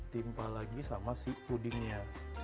timpa lagi sama si pudingnya